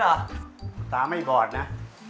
สามาร์ไม่บอดนะ